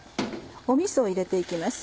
みそを入れて行きます。